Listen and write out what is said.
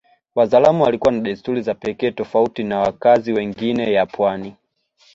Wazaramo walikuwa na desturi za pekee tofauti na wakazi wengine ya pwani